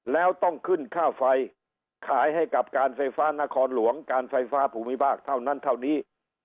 แล้วต้องขึ้นค่าไฟขายให้กับการไฟฟ้านครหลวงการไฟฟ้าภูมิภาคเท่านั้นเท่านี้